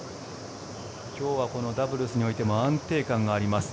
今日はダブルスにおいても安定感があります。